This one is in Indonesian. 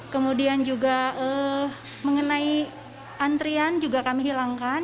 kemudian juga mengenai antrian juga kami hilangkan